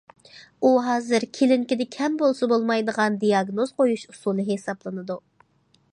ئۇ ھازىر كىلىنىكىدا كەم بولسا بولمايدىغان دىياگنوز قويۇش ئۇسۇلى ھېسابلىنىدۇ.